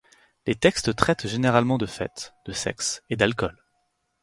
Les textes traitent généralement de fête, de sexe, et d'alcool.